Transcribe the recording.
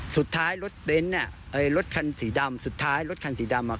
สุดท้ายรถคันสีดำสุดท้ายรถคันสีดำ